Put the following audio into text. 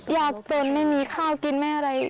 ยากจนไม่มีข้าวกินไม่อะไร